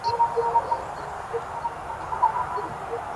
সতের চরণে, সাধুর পাদপদ্মে, দুষ্টের চরণে, দানবের পদেও আমার নমস্কার।